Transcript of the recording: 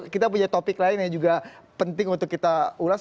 kita punya topik lain yang juga penting untuk kita ulas